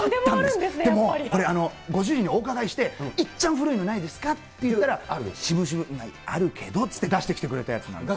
これでも、ご主人にお伺いして、いっちゃん古いのないですかって、しぶしぶ、あるけどって言って出してきてくれたやつです。